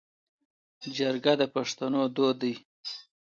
جرګه د پښتنو دود دی